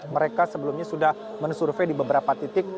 mereka sebelumnya sudah men survey di beberapa titik